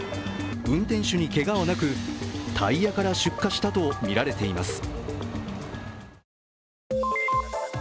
運転手にけがはなく、タイヤから出火したとみられています。